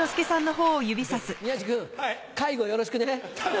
宮治君介護よろしくね。